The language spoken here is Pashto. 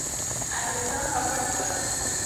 انګریزان به پټ وو.